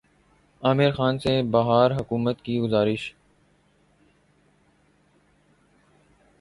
عامر خان سے بہار حکومت کی گزارش